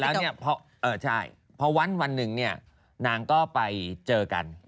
แล้วเสร็จแล้วเนี่ยพอวันวันหนึ่งเนี่ยนางก็ไปเจอกัน